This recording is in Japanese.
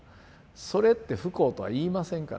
それって不幸とは言いませんから。